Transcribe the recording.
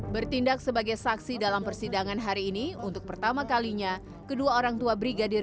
bertindak sebagai saksi dalam persidangan hari ini untuk pertama kalinya kedua orang tua brigadir